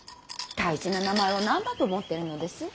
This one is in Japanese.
大事な名前を何だと思ってるのです。